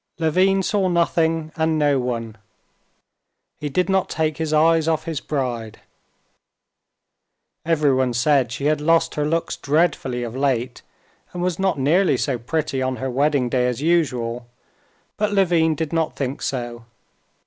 Levin saw nothing and no one; he did not take his eyes off his bride. Everyone said she had lost her looks dreadfully of late, and was not nearly so pretty on her wedding day as usual; but Levin did not think so.